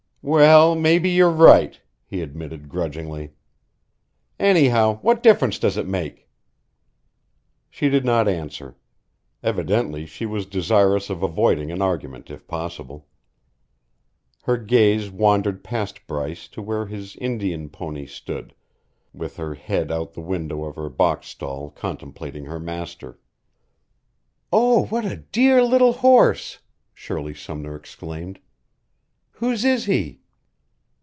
"Well, maybe you're right," he admitted grudgingly. "Anyhow, what difference does it make?" She did not answer. Evidently she was desirous of avoiding an argument if possible. Her gaze wandered past Bryce to where his Indian pony stood with her head out the window of her box stall contemplating her master. "Oh, what a dear little horse!" Shirley Sumner exclaimed. "Whose is he?"